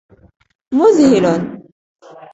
مذهل.